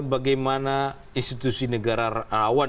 bagaimana institusi negara rawan